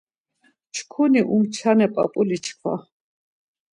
Çkuni umçane p̌ap̌uli çkva.